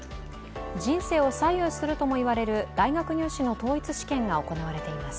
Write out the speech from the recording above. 人生を左右するとも言われる大学入試の統一試験が行われています。